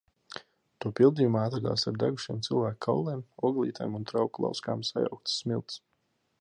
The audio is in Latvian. To pildījumā atradās ar degušiem cilvēku kauliem, oglītēm un trauku lauskām sajauktas smiltis.